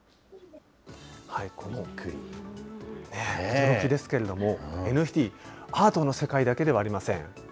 驚きですけれども、ＮＦＴ、アートの世界だけではありません。